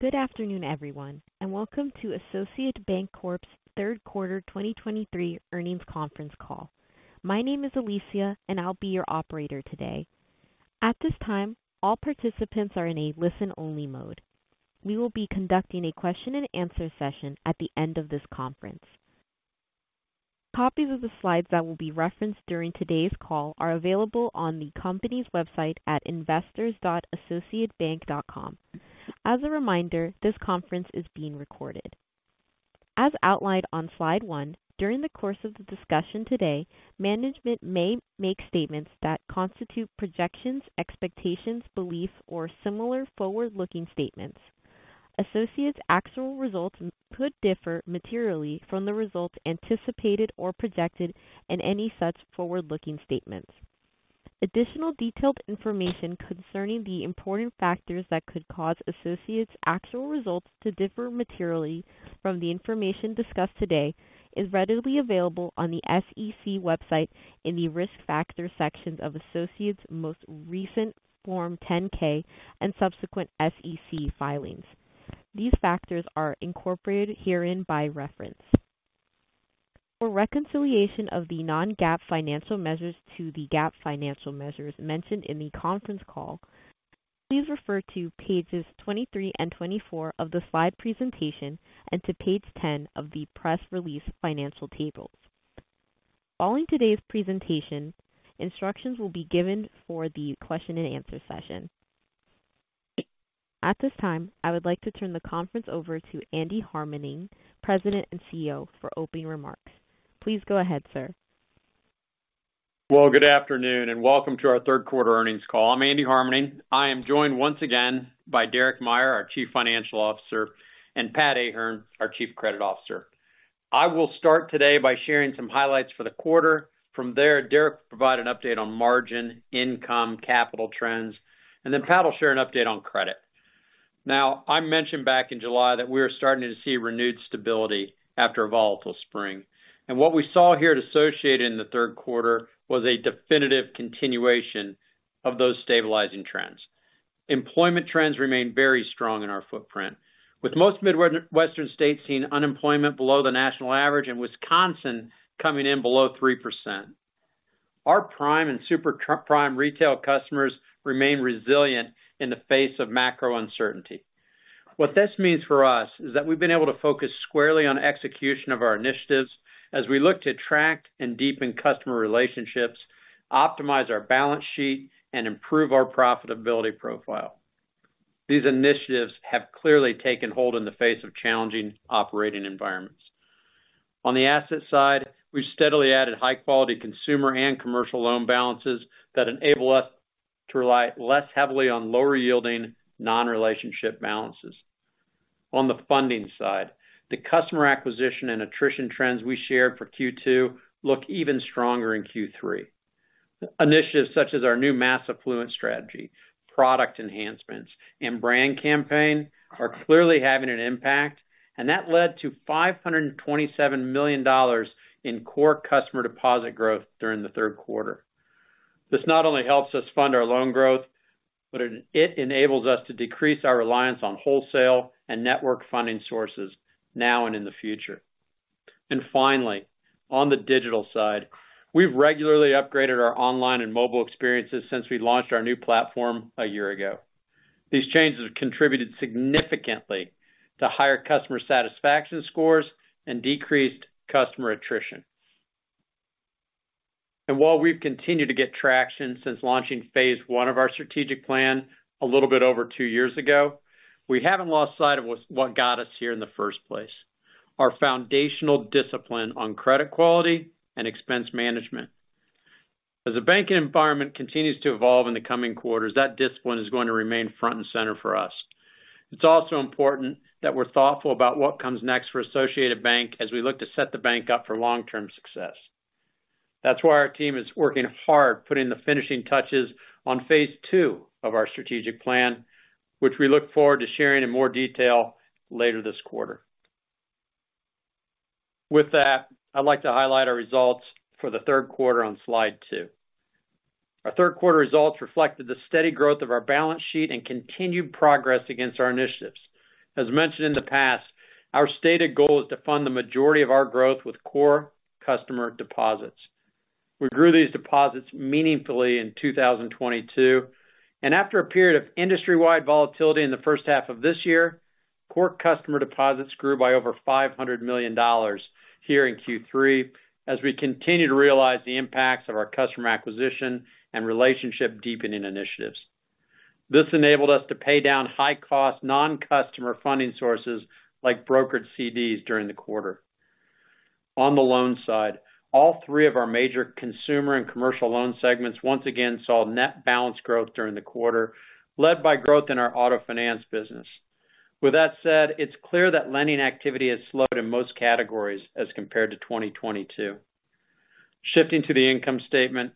Good afternoon, everyone, and welcome to Associated Banc-Corp's third quarter 2023 earnings conference call. My name is Alicia, and I'll be your operator today. At this time, all participants are in a listen-only mode. We will be conducting a question-and-answer session at the end of this conference. Copies of the slides that will be referenced during today's call are available on the company's website at investors.associatedbank.com. As a reminder, this conference is being recorded. As outlined on slide one, during the course of the discussion today, management may make statements that constitute projections, expectations, beliefs, or similar forward-looking statements. Associated Banc-Corp's actual results could differ materially from the results anticipated or projected in any such forward-looking statements. Additional detailed information concerning the important factors that could cause Associated Banc-Corp's actual results to differ materially from the information discussed today is readily available on the SEC website in the Risk Factors sections of Associated Banc-Corp's most recent Form 10-K and subsequent SEC filings. These factors are incorporated herein by reference. For reconciliation of the non-GAAP financial measures to the GAAP financial measures mentioned in the conference call, please refer to pages 23 and 24 of the slide presentation and to page 10 of the press release financial tables. Following today's presentation, instructions will be given for the question-and-answer session. At this time, I would like to turn the conference over to Andy Harmening, President and CEO, for opening remarks. Please go ahead, sir. Well, good afternoon, and welcome to our third quarter earnings call. I'm Andy Harmening. I am joined once again by Derek Meyer, our Chief Financial Officer, and Pat Ahern, our Chief Credit Officer. I will start today by sharing some highlights for the quarter. From there, Derek will provide an update on margin, income, capital trends, and then Pat will share an update on credit. Now, I mentioned back in July that we are starting to see renewed stability after a volatile spring, and what we saw here at Associated in the third quarter was a definitive continuation of those stabilizing trends. Employment trends remain very strong in our footprint, with most Midwestern states seeing unemployment below the national average and Wisconsin coming in below 3%. Our prime and super-prime retail customers remain resilient in the face of macro uncertainty. What this means for us is that we've been able to focus squarely on execution of our initiatives as we look to attract and deepen customer relationships, optimize our balance sheet, and improve our profitability profile. These initiatives have clearly taken hold in the face of challenging operating environments. On the asset side, we've steadily added high-quality consumer and commercial loan balances that enable us to rely less heavily on lower-yielding, non-relationship balances. On the funding side, the customer acquisition and attrition trends we shared for Q2 look even stronger in Q3. Initiatives such as our new mass affluent strategy, product enhancements, and brand campaign are clearly having an impact, and that led to $527 million in core customer deposit growth during the third quarter. This not only helps us fund our loan growth, but it enables us to decrease our reliance on wholesale and network funding sources now and in the future. And finally, on the digital side, we've regularly upgraded our online and mobile experiences since we launched our new platform a year ago. These changes have contributed significantly to higher customer satisfaction scores and decreased customer attrition. And while we've continued to get traction since launching phase one of our strategic plan a little bit over two years ago, we haven't lost sight of what got us here in the first place, our foundational discipline on credit quality and expense management. As the banking environment continues to evolve in the coming quarters, that discipline is going to remain front and center for us. It's also important that we're thoughtful about what comes next for Associated Bank as we look to set the bank up for long-term success. That's why our team is working hard, putting the finishing touches on phase two of our strategic plan, which we look forward to sharing in more detail later this quarter. With that, I'd like to highlight our results for the third quarter on slide two. Our third quarter results reflected the steady growth of our balance sheet and continued progress against our initiatives. As mentioned in the past, our stated goal is to fund the majority of our growth with core customer deposits. We grew these deposits meaningfully in 2022, and after a period of industry-wide volatility in the first half of this year, core customer deposits grew by over $500 million here in Q3 as we continue to realize the impacts of our customer acquisition and relationship deepening initiatives. This enabled us to pay down high-cost, non-customer funding sources like brokered CDs during the quarter. On the loan side, all three of our major consumer and commercial loan segments once again saw net balance growth during the quarter, led by growth in our auto finance business. With that said, it's clear that lending activity has slowed in most categories as compared to 2022. Shifting to the income statement,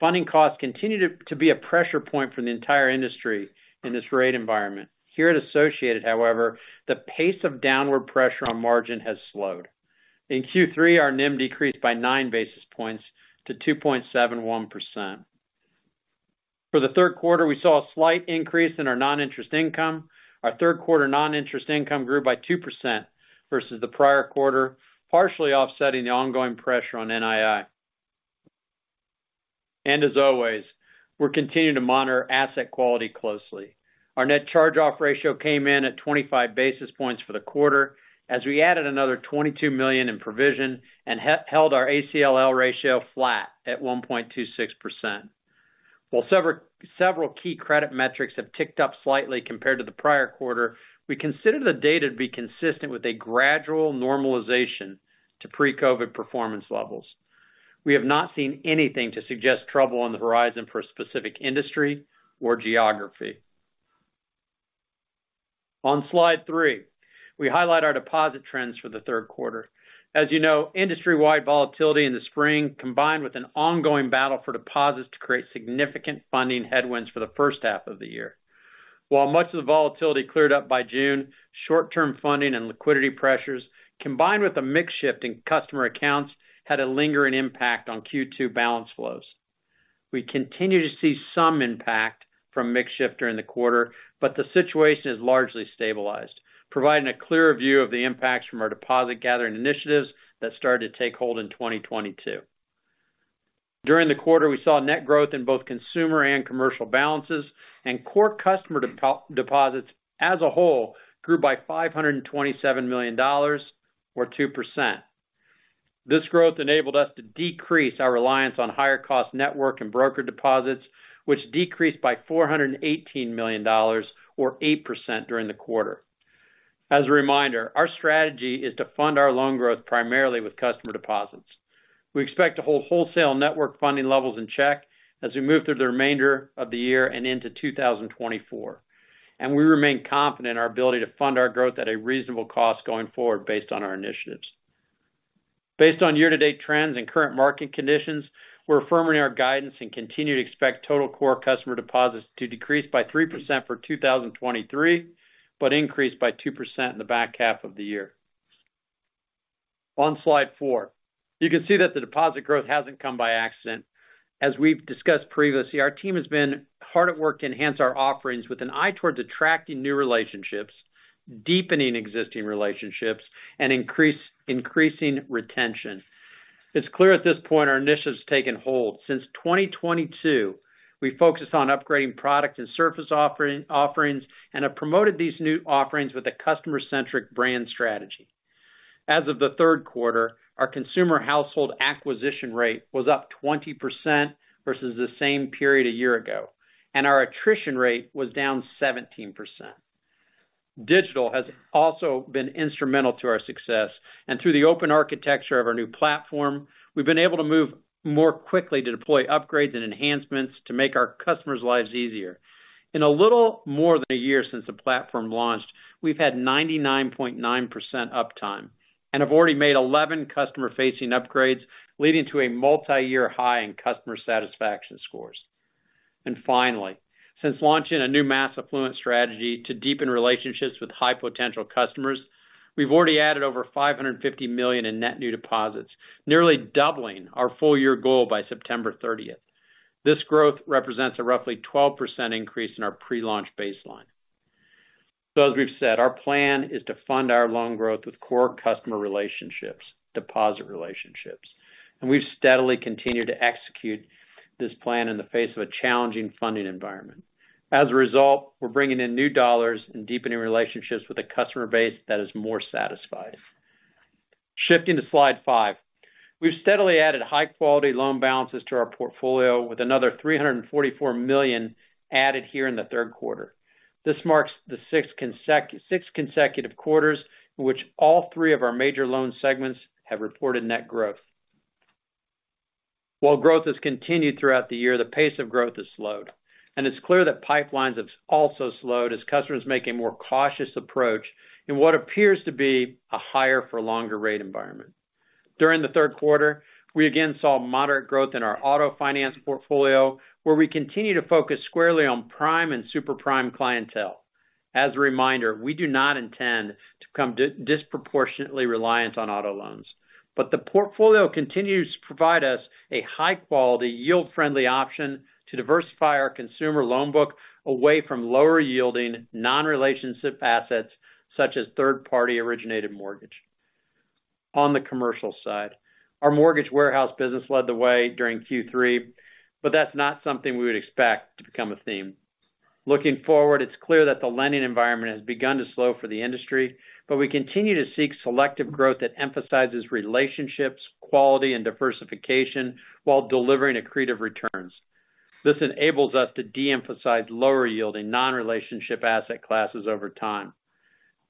funding costs continue to be a pressure point for the entire industry in this rate environment. Here at Associated, however, the pace of downward pressure on margin has slowed. In Q3, our NIM decreased by nine basis points to 2.71%. For the third quarter, we saw a slight increase in our non-interest income. Our third quarter non-interest income grew by 2% versus the prior quarter, partially offsetting the ongoing pressure on NII. And as always, we're continuing to monitor asset quality closely. Our net charge-off ratio came in at 25 basis points for the quarter, as we added another $22 million in provision and held our ACL ratio flat at 1.26%. While several key credit metrics have ticked up slightly compared to the prior quarter, we consider the data to be consistent with a gradual normalization to pre-COVID performance levels. We have not seen anything to suggest trouble on the horizon for a specific industry or geography. On slide three, we highlight our deposit trends for the third quarter. As you know, industry-wide volatility in the spring, combined with an ongoing battle for deposits, to create significant funding headwinds for the first half of the year. While much of the volatility cleared up by June, short-term funding and liquidity pressures, combined with a mix shift in customer accounts, had a lingering impact on Q2 balance flows. We continue to see some impact from mix shift during the quarter, but the situation has largely stabilized, providing a clearer view of the impacts from our deposit gathering initiatives that started to take hold in 2022. During the quarter, we saw net growth in both consumer and commercial balances, and core customer deposits as a whole, grew by $527 million or 2%. This growth enabled us to decrease our reliance on higher cost network and broker deposits, which decreased by $418 million or 8% during the quarter. As a reminder, our strategy is to fund our loan growth primarily with customer deposits. We expect to hold wholesale network funding levels in check as we move through the remainder of the year and into 2024. We remain confident in our ability to fund our growth at a reasonable cost going forward based on our initiatives. Based on year-to-date trends and current market conditions, we're affirming our guidance and continue to expect total core customer deposits to decrease by 3% for 2023, but increase by 2% in the back half of the year. On slide four, you can see that the deposit growth hasn't come by accident. As we've discussed previously, our team has been hard at work to enhance our offerings with an eye towards attracting new relationships, deepening existing relationships, and increasing retention. It's clear at this point, our initiative has taken hold. Since 2022, we focused on upgrading product and surface offerings, and have promoted these new offerings with a customer-centric brand strategy. As of the third quarter, our consumer household acquisition rate was up 20% versus the same period a year ago, and our attrition rate was down 17%. Digital has also been instrumental to our success, and through the open architecture of our new platform, we've been able to move more quickly to deploy upgrades and enhancements to make our customers' lives easier. In a little more than a year since the platform launched, we've had 99.9% uptime and have already made 11 customer-facing upgrades, leading to a multi-year high in customer satisfaction scores. Finally, since launching a new mass affluent strategy to deepen relationships with high-potential customers, we've already added over $550 million in net new deposits, nearly doubling our full year goal by September thirtieth. This growth represents a roughly 12% increase in our pre-launch baseline. So as we've said, our plan is to fund our loan growth with core customer relationships, deposit relationships, and we've steadily continued to execute this plan in the face of a challenging funding environment. As a result, we're bringing in new dollars and deepening relationships with a customer base that is more satisfied. Shifting to slide five. We've steadily added high-quality loan balances to our portfolio with another $344 million added here in the third quarter. This marks the sixth consecutive quarters in which all three of our major loan segments have reported net growth. While growth has continued throughout the year, the pace of growth has slowed, and it's clear that pipelines have also slowed as customers make a more cautious approach in what appears to be a higher for longer rate environment. During the third quarter, we again saw moderate growth in our auto finance portfolio, where we continue to focus squarely on prime and super prime clientele. As a reminder, we do not intend to become disproportionately reliant on auto loans, but the portfolio continues to provide us a high-quality, yield-friendly option to diversify our consumer loan book away from lower yielding, non-relationship assets such as third-party originated mortgage. On the commercial side, our mortgage warehouse business led the way during Q3, but that's not something we would expect to become a theme. Looking forward, it's clear that the lending environment has begun to slow for the industry, but we continue to seek selective growth that emphasizes relationships, quality, and diversification while delivering accretive returns. This enables us to de-emphasize lower yielding, non-relationship asset classes over time.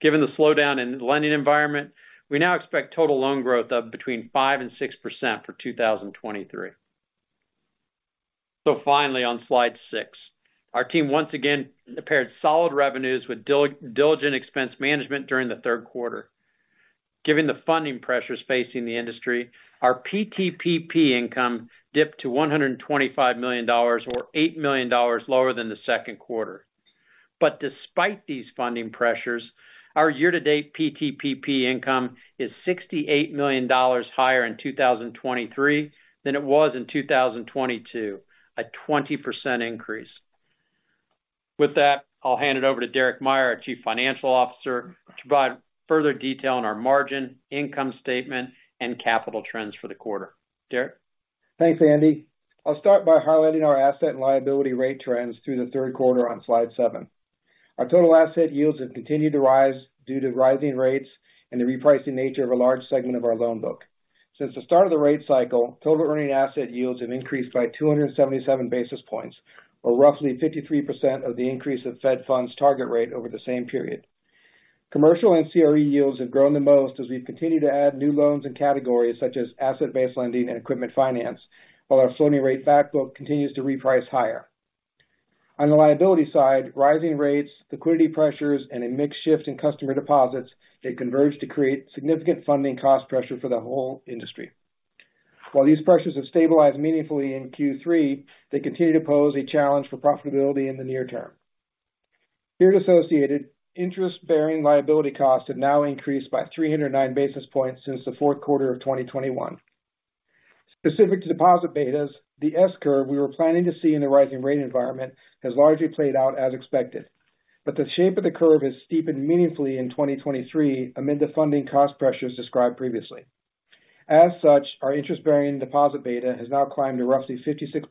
Given the slowdown in the lending environment, we now expect total loan growth of between 5%-6% for 2023. So finally, on slide six, our team once again paired solid revenues with diligent expense management during the third quarter. Given the funding pressures facing the industry, our PTPP income dipped to $125 million, or $8 million lower than the second quarter, but despite these funding pressures, our year-to-date PTPP income is $68 million higher in 2023 than it was in 2022, a 20% increase. With that, I'll hand it over to Derek Meyer, our Chief Financial Officer, to provide further detail on our margin, income statement, and capital trends for the quarter. Derek? Thanks, Andy. I'll start by highlighting our asset and liability rate trends through the third quarter on slide seven. Our total asset yields have continued to rise due to rising rates and the repricing nature of a large segment of our loan book. Since the start of the rate cycle, total earning asset yields have increased by 277 basis points, or roughly 53% of the increase of Fed Funds target rate over the same period. Commercial and CRE yields have grown the most as we've continued to add new loans and categories, such as asset-based lending and equipment finance, while our floating rate back book continues to reprice higher. On the liability side, rising rates, liquidity pressures, and a mixed shift in customer deposits have converged to create significant funding cost pressure for the whole industry. While these pressures have stabilized meaningfully in Q3, they continue to pose a challenge for profitability in the near term. Here at Associated, interest-bearing liability costs have now increased by 309 basis points since the fourth quarter of 2021. Specific to deposit betas, the S-curve we were planning to see in the rising rate environment has largely played out as expected, but the shape of the curve has steepened meaningfully in 2023 amid the funding cost pressures described previously. As such, our interest-bearing deposit beta has now climbed to roughly 56%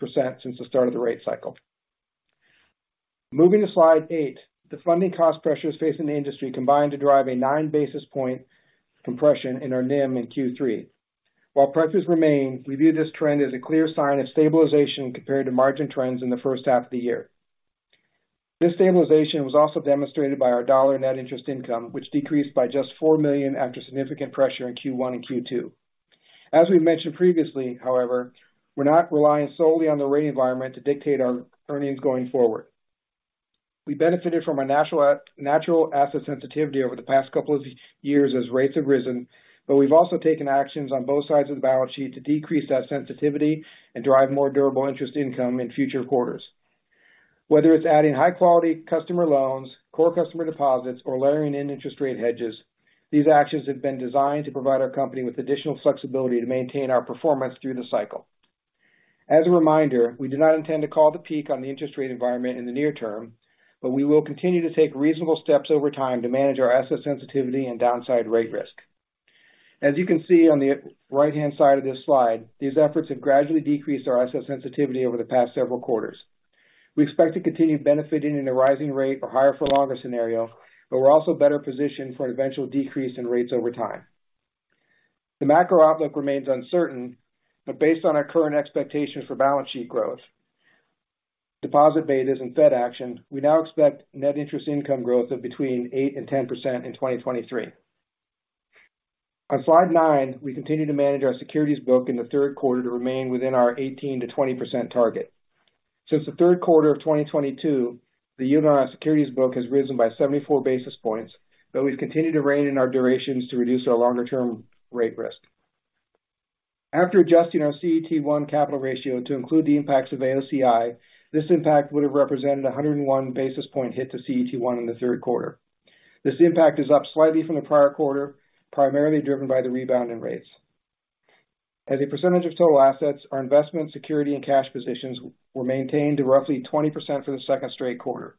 since the start of the rate cycle. Moving to slide eight, the funding cost pressures facing the industry combined to drive a 9 basis point compression in our NIM in Q3. While pressures remain, we view this trend as a clear sign of stabilization compared to margin trends in the first half of the year. This stabilization was also demonstrated by our dollar net interest income, which decreased by just $4 million after significant pressure in Q1 and Q2. As we've mentioned previously, however, we're not relying solely on the rate environment to dictate our earnings going forward. We benefited from our natural asset sensitivity over the past couple of years as rates have risen, but we've also taken actions on both sides of the balance sheet to decrease that sensitivity and drive more durable interest income in future quarters. Whether it's adding high-quality customer loans, core customer deposits, or layering in interest rate hedges, these actions have been designed to provide our company with additional flexibility to maintain our performance through the cycle. As a reminder, we do not intend to call the peak on the interest rate environment in the near term, but we will continue to take reasonable steps over time to manage our asset sensitivity and downside rate risk. As you can see on the right-hand side of this slide, these efforts have gradually decreased our asset sensitivity over the past several quarters. We expect to continue benefiting in a rising rate or higher for longer scenario, but we're also better positioned for an eventual decrease in rates over time. The macro outlook remains uncertain, but based on our current expectations for balance sheet growth, deposit betas and Fed action, we now expect net interest income growth of between 8% and 10% in 2023. On slide nine, we continue to manage our securities book in the third quarter to remain within our 18%-20% target. Since the third quarter of 2022, the yield on our securities book has risen by 74 basis points, but we've continued to rein in our durations to reduce our longer-term rate risk. After adjusting our CET1 capital ratio to include the impacts of AOCI, this impact would have represented a 101 basis point hit to CET1 in the third quarter. This impact is up slightly from the prior quarter, primarily driven by the rebound in rates. As a percentage of total assets, our investment securities, and cash positions were maintained to roughly 20% for the second straight quarter.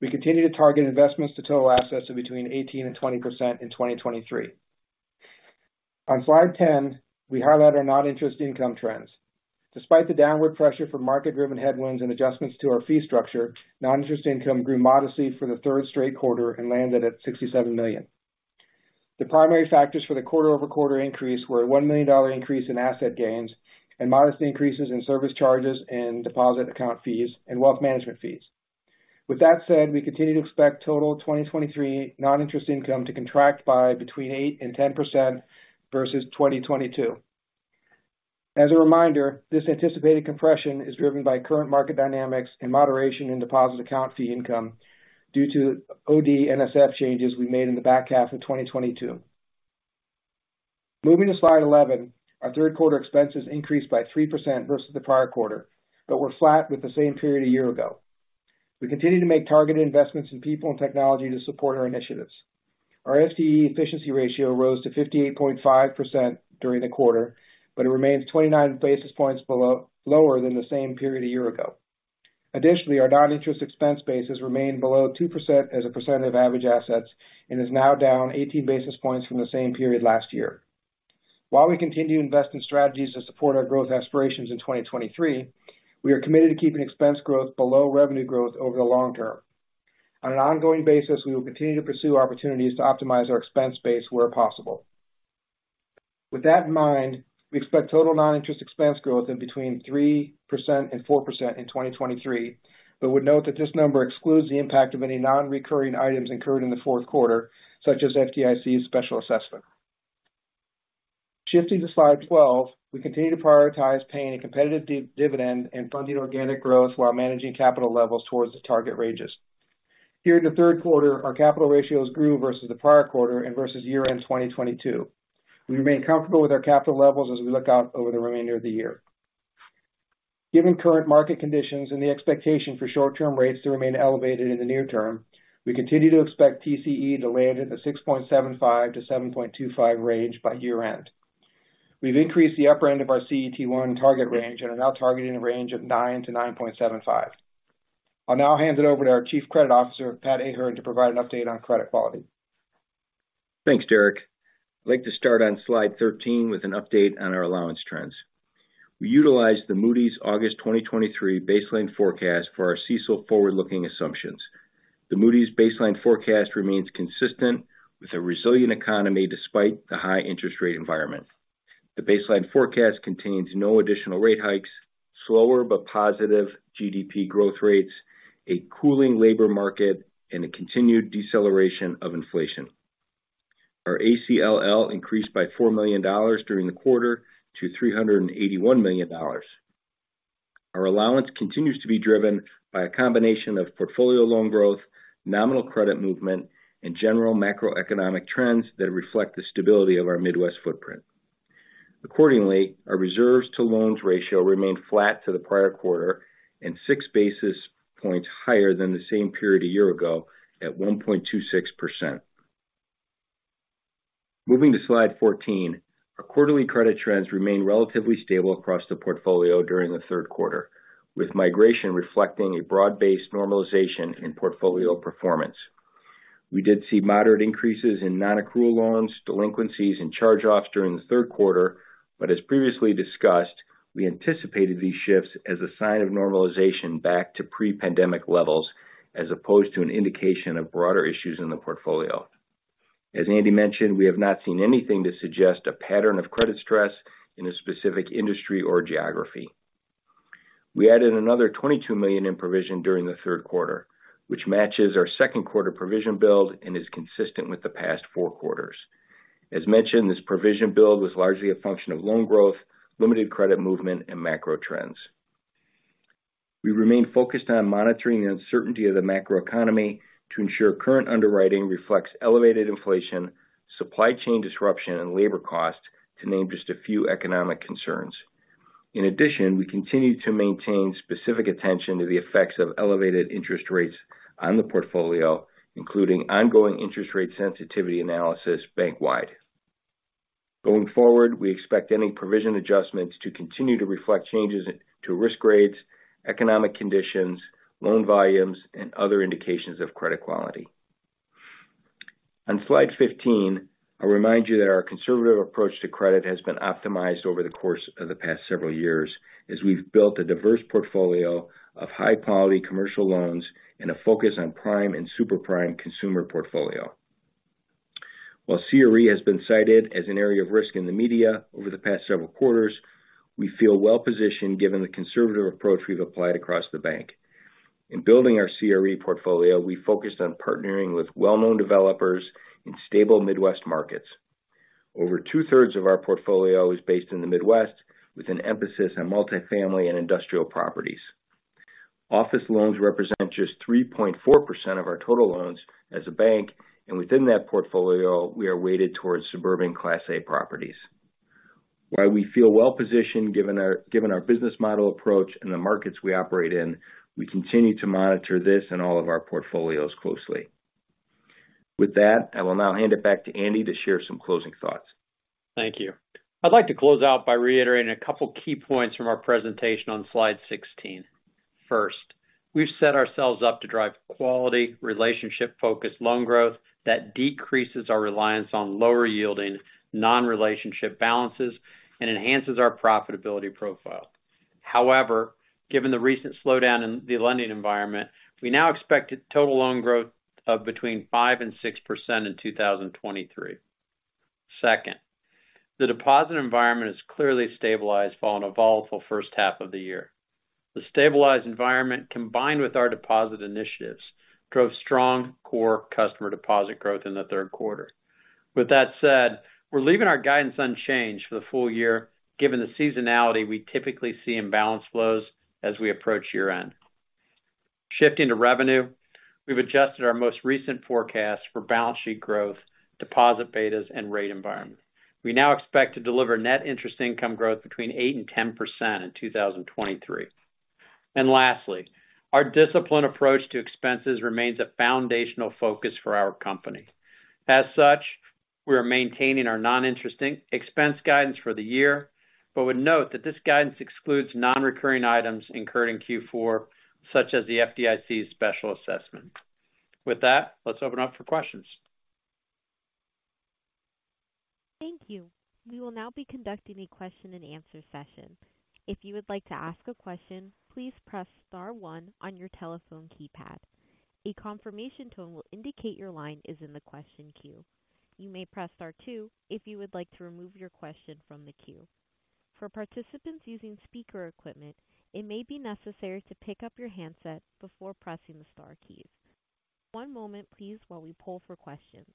We continue to target investments to total assets of between 18% and 20% in 2023. On slide 10, we highlight our non-interest income trends. Despite the downward pressure from market-driven headwinds and adjustments to our fee structure, non-interest income grew modestly for the third straight quarter and landed at $67 million. The primary factors for the quarter-over-quarter increase were a $1 million increase in asset gains and modest increases in service charges and deposit account fees and wealth management fees. With that said, we continue to expect total 2023 non-interest income to contract by between 8% and 10% versus 2022. As a reminder, this anticipated compression is driven by current market dynamics and moderation in deposit account fee income due to OD NSF changes we made in the back half of 2022. Moving to slide 11, our third quarter expenses increased by 3% versus the prior quarter, but were flat with the same period a year ago. We continue to make targeted investments in people and technology to support our initiatives. Our FTE efficiency ratio rose to 58.5% during the quarter, but it remains 29 basis points below, lower than the same period a year ago. Additionally, our non-interest expense base has remained below 2% as a percent of average assets and is now down 18 basis points from the same period last year. While we continue to invest in strategies to support our growth aspirations in 2023, we are committed to keeping expense growth below revenue growth over the long term. On an ongoing basis, we will continue to pursue opportunities to optimize our expense base where possible. With that in mind, we expect total non-interest expense growth in between 3% and 4% in 2023, but would note that this number excludes the impact of any non-recurring items incurred in the fourth quarter, such as FDIC's special assessment. Shifting to slide 12, we continue to prioritize paying a competitive dividend and funding organic growth while managing capital levels towards the target ranges. Here in the third quarter, our capital ratios grew versus the prior quarter and versus year-end 2022. We remain comfortable with our capital levels as we look out over the remainder of the year. Given current market conditions and the expectation for short-term rates to remain elevated in the near term, we continue to expect TCE to land in the 6.75-7.25 range by year-end. We've increased the upper end of our CET1 target range and are now targeting a range of 9-9.75. I'll now hand it over to our Chief Credit Officer, Pat Ahern, to provide an update on credit quality. Thanks, Derek. I'd like to start on slide 13 with an update on our allowance trends. We utilized the Moody's August 2023 baseline forecast for our CECL forward-looking assumptions. The Moody's baseline forecast remains consistent with a resilient economy despite the high interest rate environment. The baseline forecast contains no additional rate hikes, slower but positive GDP growth rates, a cooling labor market, and a continued deceleration of inflation. Our ACL increased by $4 million during the quarter to $381 million. Our allowance continues to be driven by a combination of portfolio loan growth, nominal credit movement, and general macroeconomic trends that reflect the stability of our Midwest footprint. Accordingly, our reserves to loans ratio remained flat to the prior quarter and six basis points higher than the same period a year ago at 1.26%. Moving to Slide 14, our quarterly credit trends remained relatively stable across the portfolio during the third quarter, with migration reflecting a broad-based normalization in portfolio performance. We did see moderate increases in nonaccrual loans, delinquencies, and charge-offs during the third quarter, but as previously discussed, we anticipated these shifts as a sign of normalization back to pre-pandemic levels, as opposed to an indication of broader issues in the portfolio. As Andy mentioned, we have not seen anything to suggest a pattern of credit stress in a specific industry or geography. We added another $22 million in provision during the third quarter, which matches our second quarter provision build and is consistent with the past four quarters. As mentioned, this provision build was largely a function of loan growth, limited credit movement, and macro trends. We remain focused on monitoring the uncertainty of the macroeconomy to ensure current underwriting reflects elevated inflation, supply chain disruption, and labor costs, to name just a few economic concerns. In addition, we continue to maintain specific attention to the effects of elevated interest rates on the portfolio, including ongoing interest rate sensitivity analysis bank-wide. Going forward, we expect any provision adjustments to continue to reflect changes to risk grades, economic conditions, loan volumes, and other indications of credit quality. On Slide 15, I'll remind you that our conservative approach to credit has been optimized over the course of the past several years as we've built a diverse portfolio of high-quality commercial loans and a focus on prime and super prime consumer portfolio. While CRE has been cited as an area of risk in the media over the past several quarters, we feel well-positioned given the conservative approach we've applied across the bank. In building our CRE portfolio, we focused on partnering with well-known developers in stable Midwest markets. Over two-thirds of our portfolio is based in the Midwest, with an emphasis on multifamily and industrial properties. Office loans represent just 3.4% of our total loans as a bank, and within that portfolio, we are weighted towards suburban Class A properties. While we feel well-positioned, given our business model approach and the markets we operate in, we continue to monitor this and all of our portfolios closely. With that, I will now hand it back to Andy to share some closing thoughts. Thank you. I'd like to close out by reiterating a couple key points from our presentation on slide 16. First, we've set ourselves up to drive quality, relationship-focused loan growth that decreases our reliance on lower-yielding, non-relationship balances and enhances our profitability profile. However, given the recent slowdown in the lending environment, we now expect total loan growth of between 5% and 6% in 2023. Second, the deposit environment has clearly stabilized following a volatile first half of the year. The stabilized environment, combined with our deposit initiatives, drove strong core customer deposit growth in the third quarter. With that said, we're leaving our guidance unchanged for the full year, given the seasonality we typically see in balance flows as we approach year-end. Shifting to revenue, we've adjusted our most recent forecast for balance sheet growth, deposit betas, and rate environment. We now expect to deliver net interest income growth between 8% and 10% in 2023. Lastly, our disciplined approach to expenses remains a foundational focus for our company. As such, we are maintaining our non-interest expense guidance for the year, but would note that this guidance excludes non-recurring items incurred in Q4, such as the FDIC's special assessment. With that, let's open up for questions. Thank you. We will now be conducting a question-and-answer session. If you would like to ask a question, please press star one on your telephone keypad. A confirmation tone will indicate your line is in the question queue. You may press star two if you would like to remove your question from the queue. For participants using speaker equipment, it may be necessary to pick up your handset before pressing the star keys. One moment, please, while we poll for questions.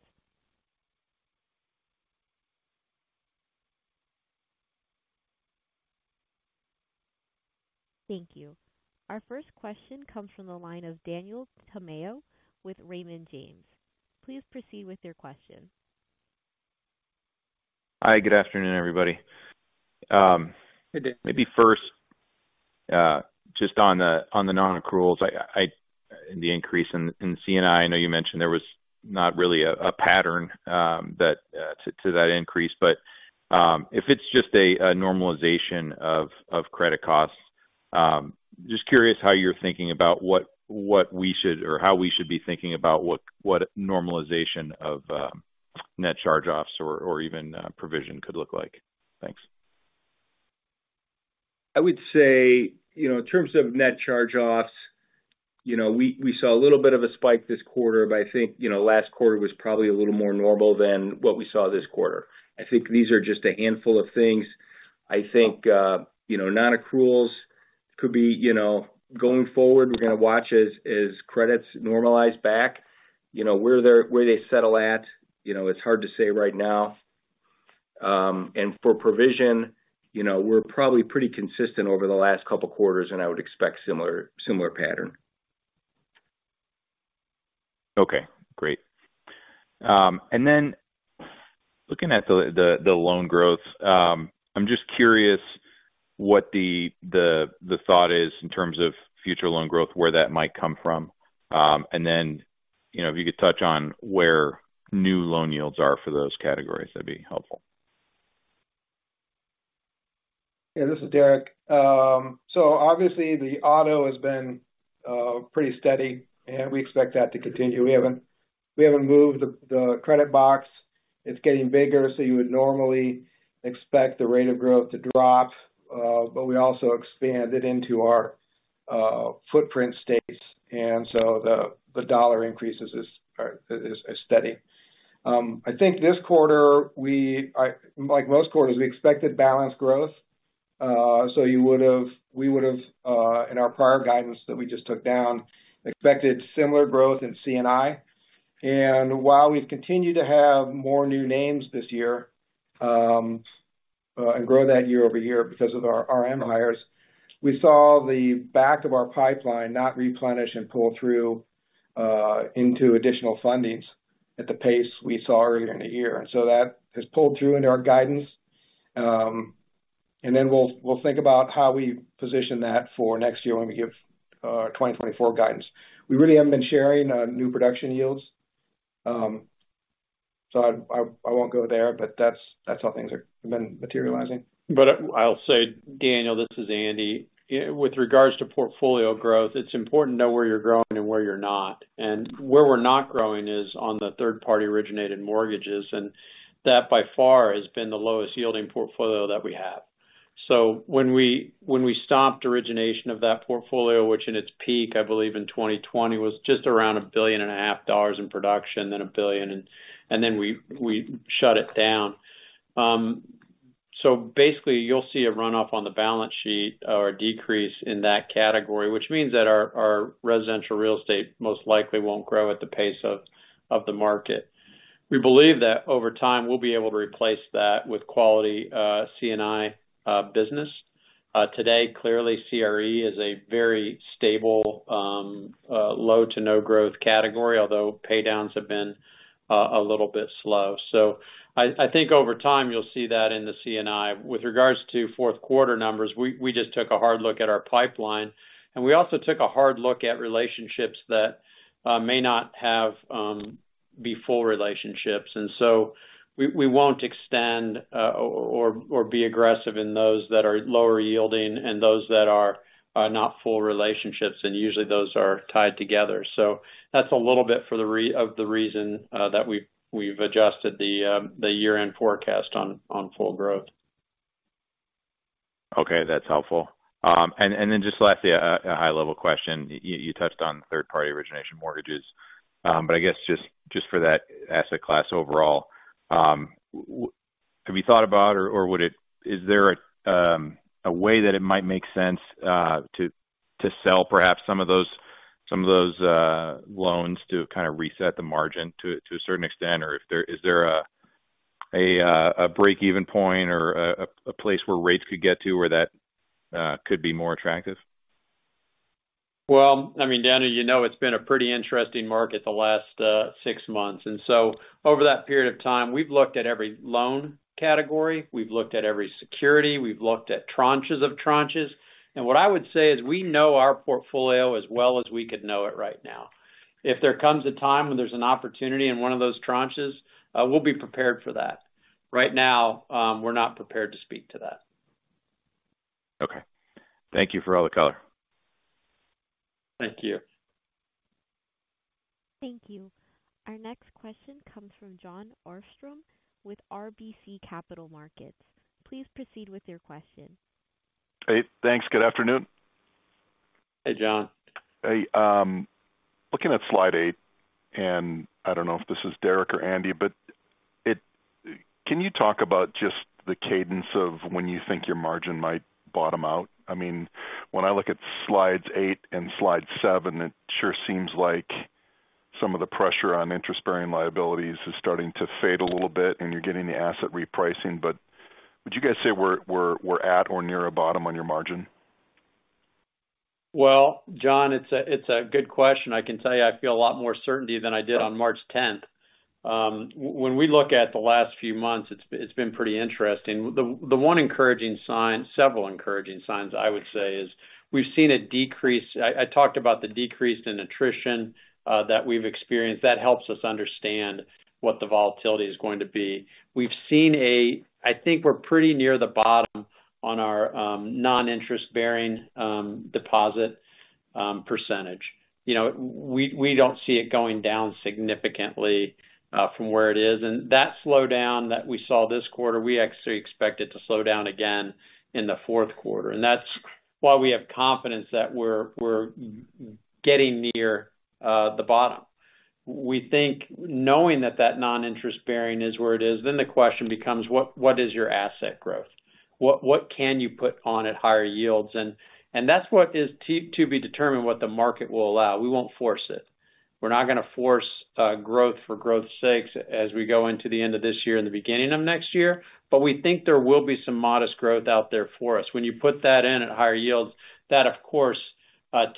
Thank you. Our first question comes from the line of Daniel Tamayo with Raymond James. Please proceed with your question. Hi, good afternoon, everybody. Maybe first, just on the, on the non-accruals, the increase in C&I, I know you mentioned there was not really a pattern to that increase. But, if it's just a normalization of credit costs, just curious how you're thinking about what we should-- or how we should be thinking about what normalization of net charge-offs or even provision could look like? Thanks. I would say, you know, in terms of net charge-offs, you know, we, we saw a little bit of a spike this quarter, but I think, you know, last quarter was probably a little more normal than what we saw this quarter. I think these are just a handful of things. I think, you know, non-accruals could be, you know, going forward, we're going to watch as, as credits normalize back, you know, where they're where they settle at, you know, it's hard to say right now. And for provision, you know, we're probably pretty consistent over the last couple of quarters, and I would expect similar, similar pattern. Okay, great. And then looking at the loan growth, I'm just curious what the thought is in terms of future loan growth, where that might come from? And then, you know, if you could touch on where new loan yields are for those categories, that'd be helpful. Yeah, this is Derek. So obviously, the auto has been pretty steady, and we expect that to continue. We haven't moved the credit box. It's getting bigger, so you would normally expect the rate of growth to drop, but we also expanded into our footprint states, and so the dollar increases are steady. I think this quarter, like most quarters, we expected balance growth. So you would've—we would've, in our prior guidance that we just took down, expected similar growth in C&I. And while we've continued to have more new names this year, and grow that year over year because of our RM hires, we saw the back of our pipeline not replenish and pull through into additional fundings at the pace we saw earlier in the year. And so that has pulled through into our guidance. And then we'll think about how we position that for next year when we give 2024 guidance. We really haven't been sharing new production yields, so I won't go there, but that's how things have been materializing. But I'll say, Daniel, this is Andy. With regards to portfolio growth, it's important to know where you're growing and where you're not. And where we're not growing is on the third-party originated mortgages, and that, by far, has been the lowest yielding portfolio that we have. So when we stopped origination of that portfolio, which in its peak, I believe in 2020, was just around $1.5 billion in production, then $1 billion, and then we shut it down. So basically, you'll see a runoff on the balance sheet or a decrease in that category, which means that our residential real estate most likely won't grow at the pace of the market. We believe that over time, we'll be able to replace that with quality C&I business. Today, clearly, CRE is a very stable, low to no growth category, although pay downs have been a little bit slow. So I think over time, you'll see that in the C&I. With regards to fourth quarter numbers, we just took a hard look at our pipeline, and we also took a hard look at relationships that may not be full relationships. And so we won't extend or be aggressive in those that are lower yielding and those that are not full relationships, and usually those are tied together. So that's a little bit for the rest of the reason that we've adjusted the year-end forecast on full growth. Okay, that's helpful. And then just lastly, a high-level question. You touched on third-party origination mortgages, but I guess just for that asset class overall, have you thought about or would it be a way that it might make sense to sell perhaps some of those loans to kind of reset the margin to a certain extent? Or is there a break-even point or a place where rates could get to where that could be more attractive? Well, I mean, Daniel, you know, it's been a pretty interesting market the last six months. And so over that period of time, we've looked at every loan category, we've looked at every security, we've looked at tranches of tranches. And what I would say is, we know our portfolio as well as we could know it right now. If there comes a time when there's an opportunity in one of those tranches, we'll be prepared for that. Right now, we're not prepared to speak to that. Okay. Thank you for all the color. Thank you. Thank you. Our next question comes from Jon Arfstrom with RBC Capital Markets. Please proceed with your question. Hey, thanks. Good afternoon. Hey, Jon. Hey, looking at slide eight, and I don't know if this is Derek or Andy, but can you talk about just the cadence of when you think your margin might bottom out? I mean, when I look at slides eight and slide seven, it sure seems like some of the pressure on interest-bearing liabilities is starting to fade a little bit, and you're getting the asset repricing. But would you guys say we're at or near a bottom on your margin?... Well, Jon, it's a good question. I can tell you, I feel a lot more certainty than I did on March tenth. When we look at the last few months, it's been pretty interesting. The one encouraging sign-several encouraging signs, I would say, is we've seen a decrease-I talked about the decrease in attrition that we've experienced. That helps us understand what the volatility is going to be. We've seen a-I think we're pretty near the bottom on our non-interest-bearing deposit percentage. You know, we don't see it going down significantly from where it is. And that slowdown that we saw this quarter, we actually expect it to slow down again in the fourth quarter. And that's why we have confidence that we're getting near the bottom. We think knowing that that non-interest-bearing is where it is, then the question becomes: What, what is your asset growth? What, what can you put on at higher yields? And, and that's what is to, to be determined, what the market will allow. We won't force it. We're not going to force growth for growth's sakes as we go into the end of this year and the beginning of next year, but we think there will be some modest growth out there for us. When you put that in at higher yields, that, of course,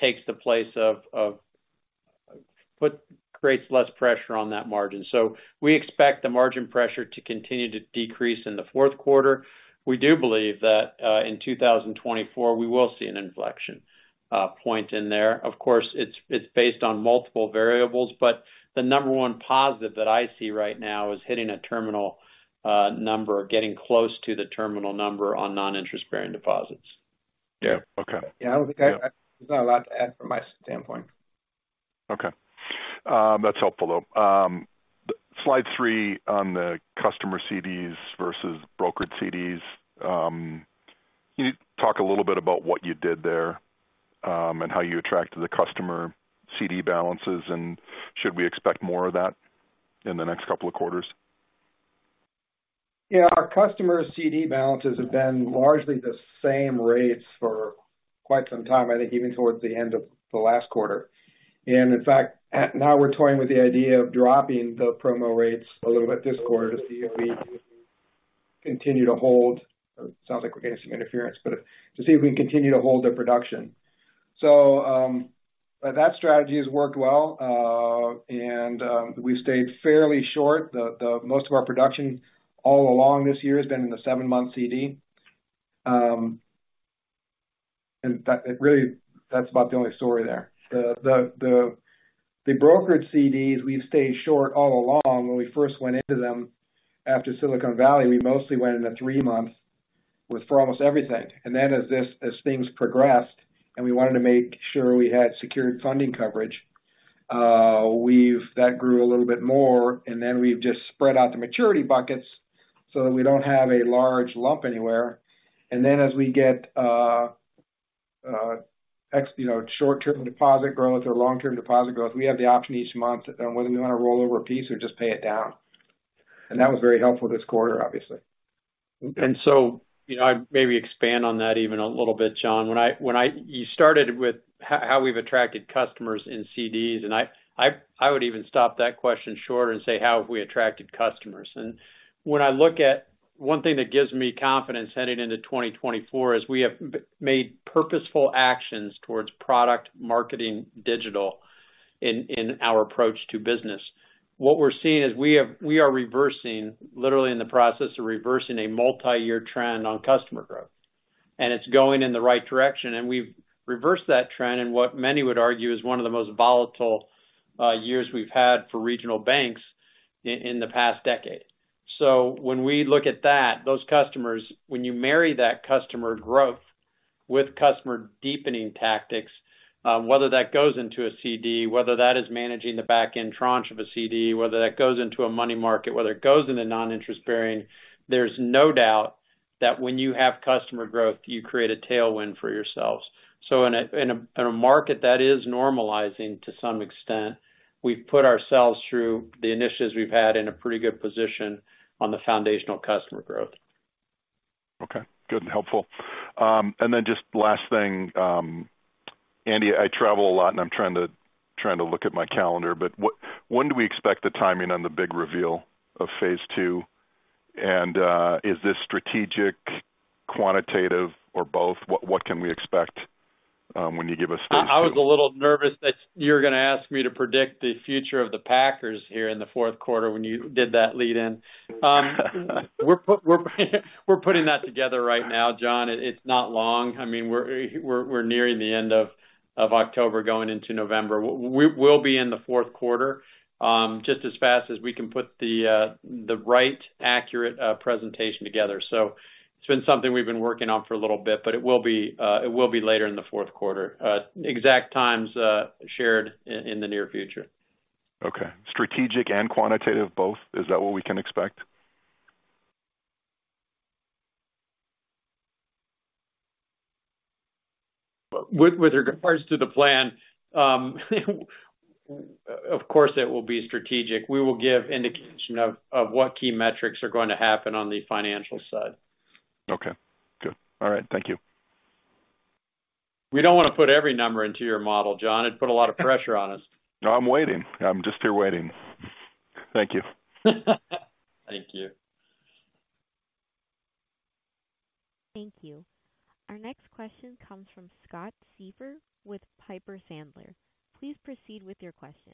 takes the place of, of-- but creates less pressure on that margin. So we expect the margin pressure to continue to decrease in the fourth quarter. We do believe that, in 2024, we will see an inflection point in there. Of course, it's, it's based on multiple variables, but the number one positive that I see right now is hitting a terminal number or getting close to the terminal number on non-interest-bearing deposits. Yeah. Okay. Yeah, I think... There's not a lot to add from my standpoint. Okay. That's helpful, though. Slide three on the customer CDs versus brokered CDs. Can you talk a little bit about what you did there, and how you attracted the customer CD balances, and should we expect more of that in the next couple of quarters? Yeah. Our customer CD balances have been largely the same rates for quite some time, I think even towards the end of the last quarter. And in fact, now we're toying with the idea of dropping the promo rates a little bit this quarter to see if we continue to hold. Sounds like we're getting some interference, but to see if we can continue to hold the production. So, but that strategy has worked well, and, we've stayed fairly short. Most of our production all along this year has been in the seven-month CD. And that really, that's about the only story there. The brokered CDs, we've stayed short all along. When we first went into them after Silicon Valley, we mostly went in a three-month with for almost everything. And then as things progressed and we wanted to make sure we had secured funding coverage, that grew a little bit more, and then we've just spread out the maturity buckets so that we don't have a large lump anywhere. And then as we get, you know, short-term deposit growth or long-term deposit growth, we have the option each month on whether we want to roll over a piece or just pay it down. And that was very helpful this quarter, obviously. And so, you know, I'd maybe expand on that even a little bit, Jon. When I started with how we've attracted customers in CDs, and I would even stop that question short and say, how have we attracted customers? And when I look at... One thing that gives me confidence heading into 2024 is we have made purposeful actions towards product marketing digital in our approach to business. What we're seeing is we are reversing, literally in the process of reversing a multi-year trend on customer growth, and it's going in the right direction. And we've reversed that trend in what many would argue is one of the most volatile years we've had for regional banks in the past decade. So when we look at that, those customers, when you marry that customer growth with customer deepening tactics, whether that goes into a CD, whether that is managing the back-end tranche of a CD, whether that goes into a money market, whether it goes into non-interest-bearing, there's no doubt that when you have customer growth, you create a tailwind for yourselves. So in a market that is normalizing to some extent, we've put ourselves through the initiatives we've had in a pretty good position on the foundational customer growth. Okay. Good and helpful. And then just last thing, Andy, I travel a lot, and I'm trying to look at my calendar, but what, when do we expect the timing on the big reveal of phase two? And, is this strategic, quantitative, or both? What can we expect when you give us phase two? I was a little nervous that you were going to ask me to predict the future of the Packers here in the fourth quarter when you did that lead in. We're putting that together right now, John. It's not long. I mean, we're nearing the end of October, going into November. We'll be in the fourth quarter just as fast as we can put the right, accurate presentation together. So it's been something we've been working on for a little bit, but it will be later in the fourth quarter. Exact times shared in the near future. Okay. Strategic and quantitative both, is that what we can expect? With regards to the plan, of course, it will be strategic. We will give indication of what key metrics are going to happen on the financial side. Okay. Good. All right. Thank you. We don't want to put every number into your model, Jon. It'd put a lot of pressure on us. No, I'm waiting. I'm just here waiting. Thank you. Thank you. Thank you. Our next question comes from Scott Siefers with Piper Sandler. Please proceed with your question.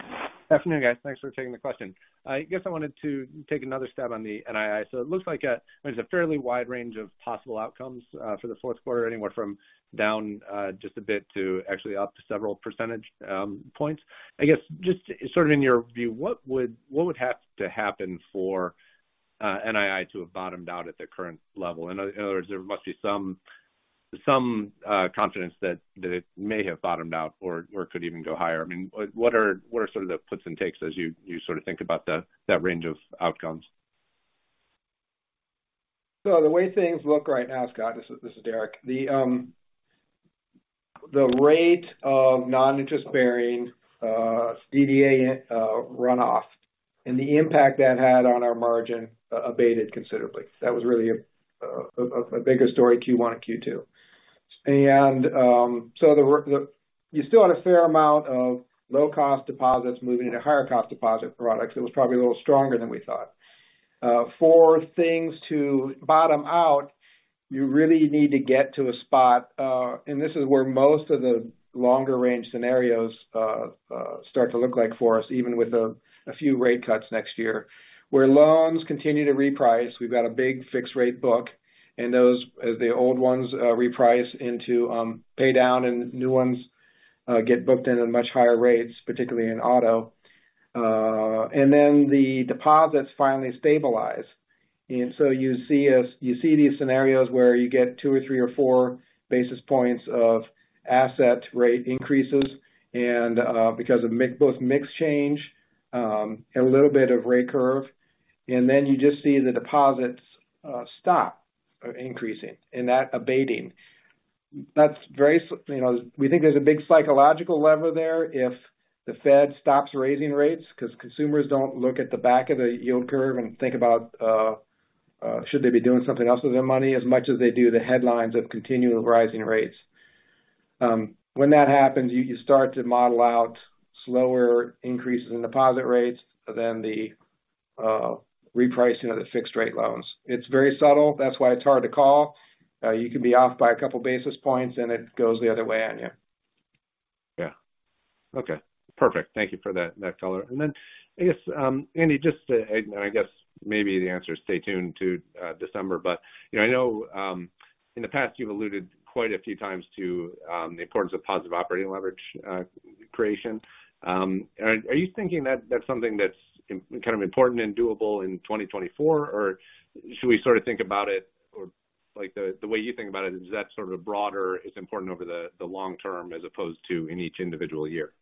Good afternoon, guys. Thanks for taking the question. I guess I wanted to take another stab on the NII. So it looks like there's a fairly wide range of possible outcomes for the fourth quarter, anywhere from down just a bit to actually up to several percentage points. I guess just sort of in your view, what would have to happen for NII to have bottomed out at the current level? In other words, there must be some confidence that it may have bottomed out or could even go higher. I mean, what are some of the puts and takes as you sort of think about that range of outcomes? So the way things look right now, Scott, this is Derek. The rate of non-interest-bearing DDA runoff and the impact that had on our margin abated considerably. That was really a bigger story, Q1 and Q2. So you still had a fair amount of low-cost deposits moving into higher cost deposit products. It was probably a little stronger than we thought. For things to bottom out, you really need to get to a spot, and this is where most of the longer-range scenarios start to look like for us, even with a few rate cuts next year, where loans continue to reprice. We've got a big fixed-rate book, and those, the old ones reprice into pay down and new ones get booked in at much higher rates, particularly in auto. And then the deposits finally stabilize. And so you see these scenarios where you get 2, 3, or 4 basis points of asset rate increases, and because of mix, both mix change, and a little bit of rate curve, and then you just see the deposits stop increasing and that abating. That's very you know, we think there's a big psychological lever there if the Fed stops raising rates because consumers don't look at the back of the yield curve and think about should they be doing something else with their money as much as they do the headlines of continual rising rates. When that happens, you you start to model out slower increases in deposit rates than the repricing of the fixed-rate loans. It's very subtle. That's why it's hard to call. You can be off by a couple of basis points, and it goes the other way on you. Yeah. Okay, perfect. Thank you for that, that color. And then, I guess, Andy, just to... I guess maybe the answer is stay tuned to, December, but, you know, I know, in the past, you've alluded quite a few times to, the importance of positive operating leverage, creation. Are you thinking that that's something that's kind of important and doable in 2024, or should we sort of think about it, or like the way you think about it, is that sort of broader, it's important over the, the long term as opposed to in each individual year?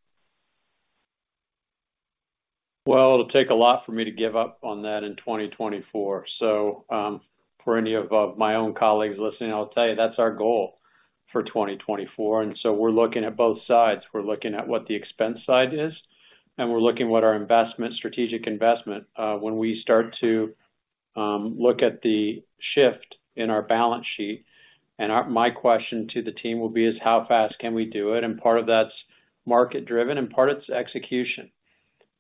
Well, it'll take a lot for me to give up on that in 2024. So, for any of my own colleagues listening, I'll tell you, that's our goal for 2024. And so we're looking at both sides. We're looking at what the expense side is, and we're looking what our investment, strategic investment, when we start to look at the shift in our balance sheet. And my question to the team will be, is how fast can we do it? And part of that's market-driven and part of it's execution.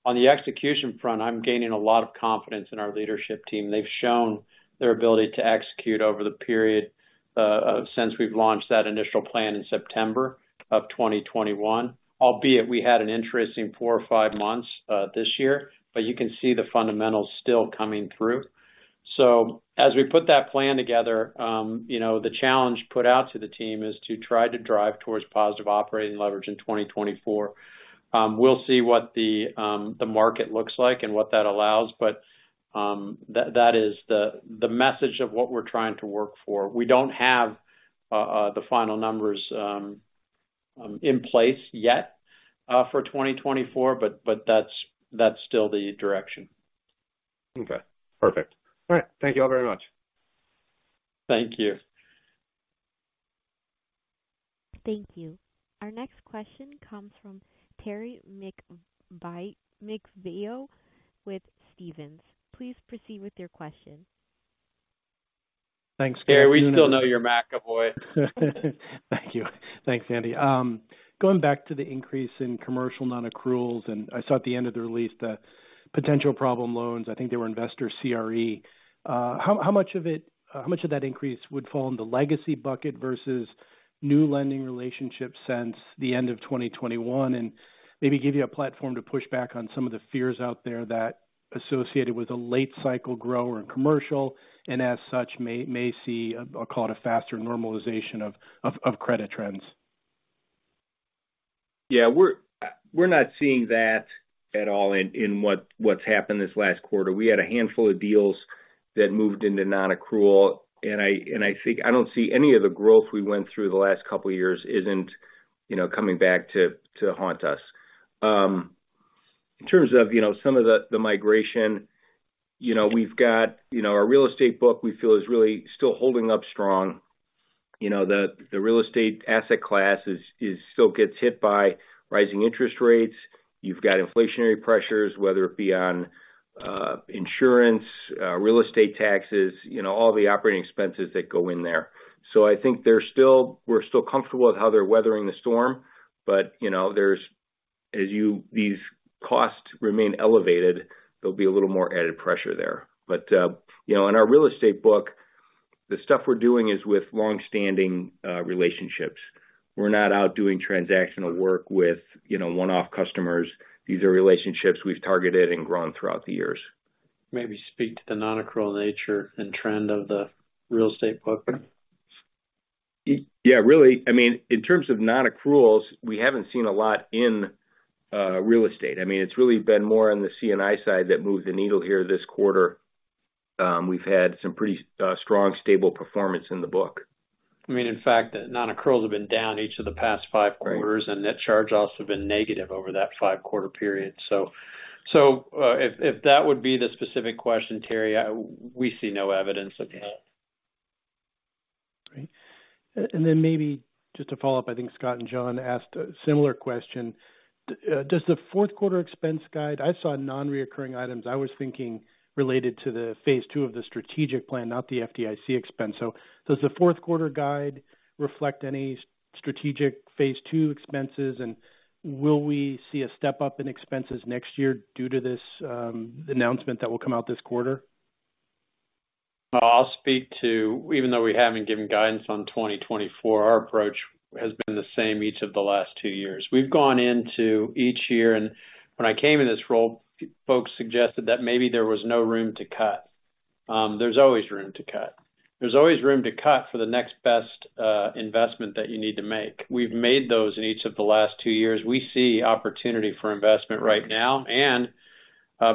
On the execution front, I'm gaining a lot of confidence in our leadership team. They've shown their ability to execute over the period, since we've launched that initial plan in September of 2021, albeit we had an interesting four or five months, this year, but you can see the fundamentals still coming through. So as we put that plan together, you know, the challenge put out to the team is to try to drive towards positive operating leverage in 2024. We'll see what the, the market looks like and what that allows, but, that, that is the, the message of what we're trying to work for. We don't have, the final numbers, in place yet, for 2024, but, that's, that's still the direction. Okay, perfect. All right. Thank you all very much. Thank you. Thank you. Our next question comes from Terry McEvoy with Stephens. Please proceed with your question. Thanks. Terry, we still know you're McEvoy. Thank you. Thanks, Andy. Going back to the increase in commercial nonaccruals, and I saw at the end of the release, the potential problem loans. I think they were investor CRE. How much of it—how much of that increase would fall in the legacy bucket versus new lending relationships since the end of 2021? And maybe give you a platform to push back on some of the fears out there that associated with a late cycle grower in commercial, and as such, may see, call it a faster normalization of credit trends. Yeah, we're not seeing that at all in what's happened this last quarter. We had a handful of deals that moved into nonaccrual, and I think I don't see any of the growth we went through the last couple of years isn't, you know, coming back to haunt us. In terms of, you know, some of the migration, you know, we've got, you know, our real estate book we feel is really still holding up strong. You know, the real estate asset class is still gets hit by rising interest rates. You've got inflationary pressures, whether it be on insurance, real estate taxes, you know, all the operating expenses that go in there. So I think they're still, we're still comfortable with how they're weathering the storm, but, you know, there's-... as these costs remain elevated, there'll be a little more added pressure there. But, you know, in our real estate book, the stuff we're doing is with long-standing relationships. We're not out doing transactional work with, you know, one-off customers. These are relationships we've targeted and grown throughout the years. Maybe speak to the non-accrual nature and trend of the real estate book? Yeah, really, I mean, in terms of non-accruals, we haven't seen a lot in real estate. I mean, it's really been more on the C&I side that moved the needle here this quarter. We've had some pretty strong, stable performance in the book. I mean, in fact, the non-accruals have been down each of the past five quarters. Right. And net charge-offs have been negative over that five-quarter period. So, if that would be the specific question, Terry, I—we see no evidence of that. Great. And then maybe just to follow up, I think Scott and Jon asked a similar question. Does the fourth quarter expense guide... I saw non-recurring items, I was thinking related to the phase two of the strategic plan, not the FDIC expense. So does the fourth quarter guide reflect any strategic phase two expenses? And will we see a step-up in expenses next year due to this, announcement that will come out this quarter? I'll speak to... Even though we haven't given guidance on 2024, our approach has been the same each of the last two years. We've gone into each year, and when I came in this role, folks suggested that maybe there was no room to cut. There's always room to cut. There's always room to cut for the next best investment that you need to make. We've made those in each of the last two years. We see opportunity for investment right now, and